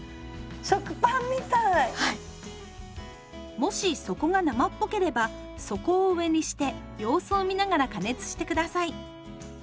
もし底が生っぽければ底を上にして様子を見ながら加熱して下さい。